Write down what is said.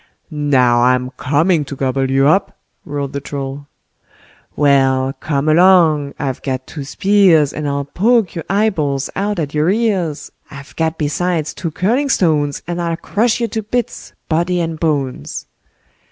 "Now, I'm coming to gobble you up", roared the Troll. Well, come along! I've got two spears, And I'll poke your eyeballs out at your ears; I've got besides two curling stones, And I'll crush you to bits, body and bones.